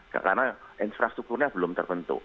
karena infrastrukturnya belum terbentuk